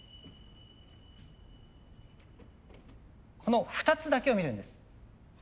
この２つだけを見るんです。